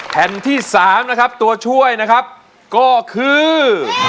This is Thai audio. แผ่นที่๓นะครับตัวช่วยนะครับก็คือ